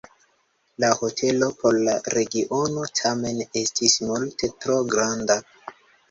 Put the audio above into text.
La hotelo por la regiono tamen estis multe tro granda.